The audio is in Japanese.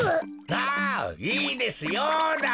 ああいいですよだっ！